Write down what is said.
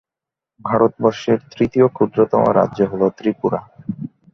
ভারতবর্ষের তৃতীয় ক্ষুদ্রতম রাজ্য হল ত্রিপুরা।